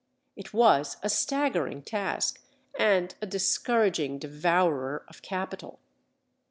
It was a staggering task and a discouraging devourer of capital.